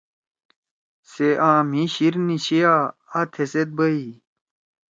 سے آ مھی شیر نی چھیا۔ آ تھے سیت بیَی۔